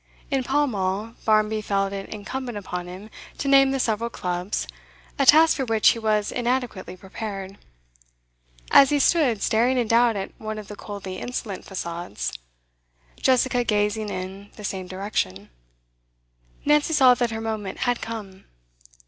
In Pall Mall, Barmby felt it incumbent upon him to name the several clubs, a task for which he was inadequately prepared. As he stood staring in doubt at one of the coldly insolent facades, Jessica gazing in the same direction, Nancy saw that her moment had come.